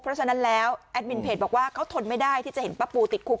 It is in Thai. เพราะฉะนั้นแล้วแอดมินเพจบอกว่าเขาทนไม่ได้ที่จะเห็นป้าปูติดคุก